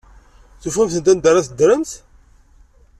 Tufamt-d anda ara teddremt.